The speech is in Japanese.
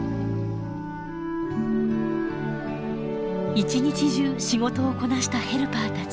一日中仕事をこなしたヘルパーたち。